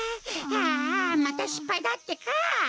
ああまたしっぱいだってか。